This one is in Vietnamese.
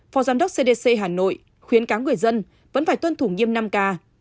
phó giám đốc cdc hà nội khuyến cáo người dân vẫn phải tuân thủ nghiêm năm k